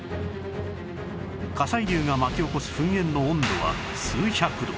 火砕流が巻き起こす噴煙の温度は数百度